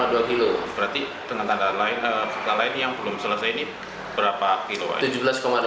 berarti dengan tanda lain yang belum selesai ini berapa km